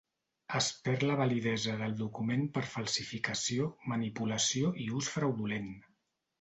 Es perd la validesa del document per falsificació, manipulació i ús fraudulent.